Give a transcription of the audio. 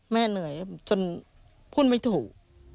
เหนื่อยจนพูดไม่ถูก